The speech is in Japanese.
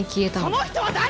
その人は誰！？